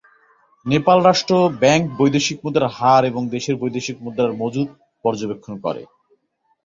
নেপাল রাষ্ট্র ব্যাংক বৈদেশিক মুদ্রার হার এবং দেশের বৈদেশিক মুদ্রার মজুদ পর্যবেক্ষণ করে।